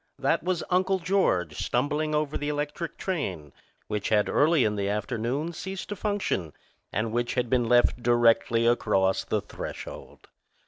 That was Uncle George stumbling over the electric train, which had early in the afternoon ceased to function and which had been left directly across the threshold.